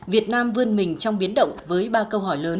việt nam vươn mình trong biến động với ba câu hỏi lớn